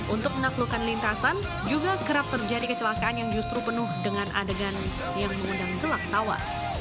untuk menaklukkan lintasan juga kerap terjadi kecelakaan yang justru penuh dengan adegan yang mengundang gelak tawa